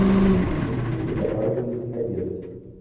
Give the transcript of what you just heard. Мужики приготавливались обедать.